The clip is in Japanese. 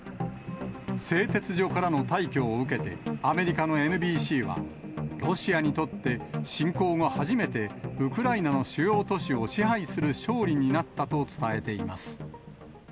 製鉄所からの退去を受けて、アメリカのＮＢＣは、ロシアにとって、侵攻後、初めてウクライナの主要都市を支配する勝利になったと伝えています。